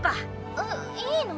えいいの？